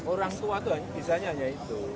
orang tua itu bisanya hanya itu